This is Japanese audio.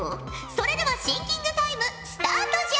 それではシンキングタイムスタートじゃ！